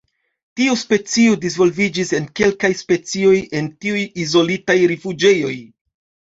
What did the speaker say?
Tiu specio disvolviĝis en kelkaj specioj en tiuj izolitaj rifuĝejoj.